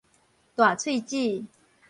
大喙舌